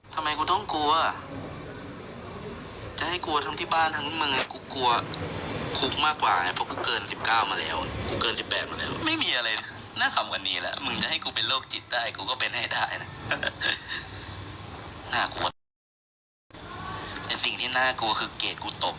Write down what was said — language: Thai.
แต่สิ่งที่น่ากลัวคือเกรดกูตบ